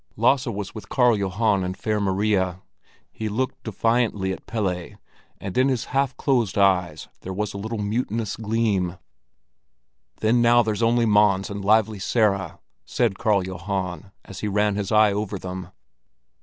Lasse was with Karl Johan and Fair Maria; he looked defiantly at Pelle, and in his half closed eyes there was a little mutinous gleam. "Then now there's only Mons and Lively Sara," said Karl Johan, as he ran his eye over them.